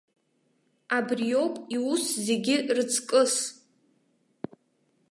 Абриоуп иусу зегь рыҵкыс.